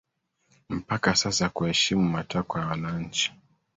mpaka sasa kuheshimu matakwa ya wananchi